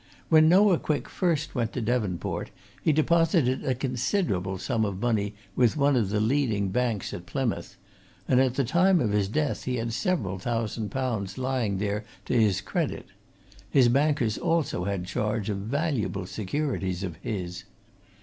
When Noah Quick first went to Devonport he deposited a considerable sum of money with one of the leading banks at Plymouth, and at the time of his death he had several thousand pounds lying there to his credit: his bankers also had charge of valuable securities of his.